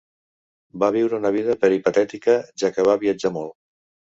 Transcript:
Va viure una vida peripatètica, ja que va viatjar molt.